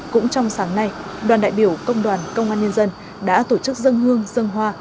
cũng trong sáng nay đoàn đại biểu công đoàn công an nhân dân đã tổ chức dân hương dân hoa